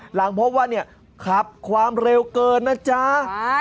หลังพบว่าเนี่ยขับความเร็วเกินนะจ๊ะ